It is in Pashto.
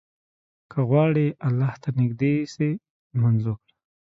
که غواړې الله ته نيږدى سې، لمونځ وکړه.